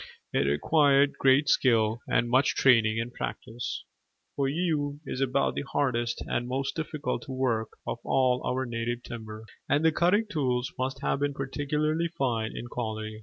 It required great skill and much training and practice: for yew is about the hardest and most difficult to work of all our native timber: and the cutting tools must have been particularly fine in quality.